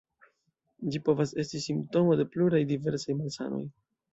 Ĝi povas esti simptomo de pluraj diversaj malsanoj.